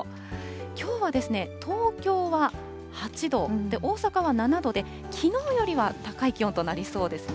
きょうはですね、東京は８度、大阪は７度で、きのうよりは高い気温となりそうですね。